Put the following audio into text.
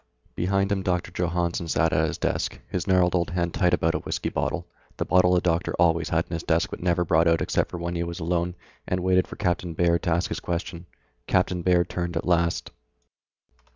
Behind him Doctor Johannsen sat at his desk, his gnarled old hand tight about a whiskey bottle, the bottle the doctor always had in his desk but never brought out except when he was alone, and waited for Captain Baird to ask his question. Captain Baird turned at last.